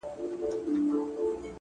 اوس به ورته ډېر ـډېر انـتـظـار كوم ـ